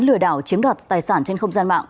lừa đảo chiếm đoạt tài sản trên không gian mạng